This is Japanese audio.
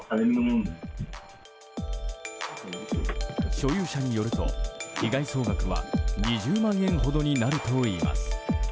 所有者によると被害総額は２０万円ほどになるといいます。